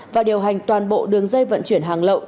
và điều hành toàn bộ đường dây vận chuyển hàng lậu